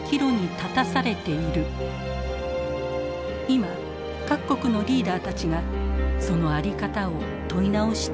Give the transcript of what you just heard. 今各国のリーダーたちがそのあり方を問い直しています。